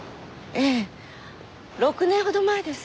ええ６年ほど前です。